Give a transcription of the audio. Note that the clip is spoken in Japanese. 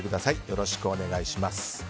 よろしくお願いします。